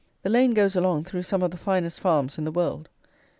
The lane goes along through some of the finest farms in the world.